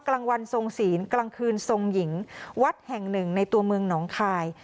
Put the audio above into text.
กลางวันทรงศีลกลางคืนทรงหญิงวัดแห่งหนึ่งในตัวเมืองหนองคาย